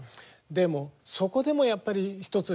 でもそこでもやっぱり１つ